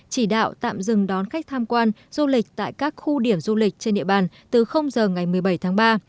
chỉ đạo tạm dừng đón khách tham quan du lịch tại các khu điểm du lịch trên địa bàn từ giờ ngày một mươi bảy tháng ba